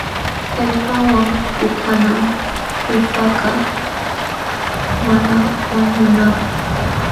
Kallpawan puukanam tullpakaq mana wañunanapq.